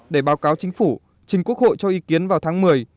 để báo cáo chính phủ trình quốc hội cho ý kiến vào tháng một mươi